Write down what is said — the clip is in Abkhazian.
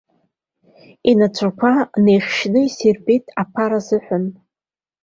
Инацәақәа неихьшьны инасирбеит аԥара азыҳәан.